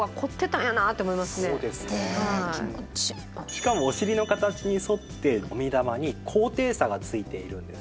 しかもお尻の形に沿ってもみ玉に高低差がついているんですね。